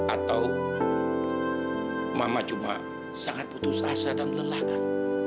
atau mama cuma sangat putus asa dan lelah kan